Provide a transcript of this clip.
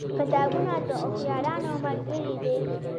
کتابونه د هوښیارانو ملګري دي.